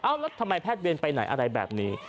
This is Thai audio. แล้วทำไมแพทย์เวรไปไหนอะไรแบบนี้